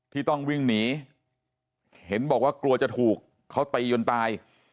ที่ต้องวิ่งหนีเห็นบอกว่ากลัวจะถูกเขาตีจนตาย